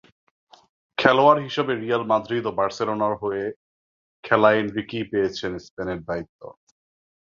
খেলোয়াড় হিসেবে Real Madrid ও বার্সেলোনার হয়ে খেলা এনরিকেই পেয়েছেন স্পেনের দায়িত্ব।